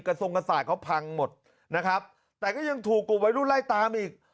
ทรงกระสาตเขาพังหมดนะครับแต่ก็ยังถูกกลุ่มวัยรุ่นไล่ตามอีก